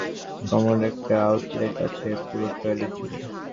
কমোডে একটা আউটলেট আছে, পুরো টয়লেট জুড়ে।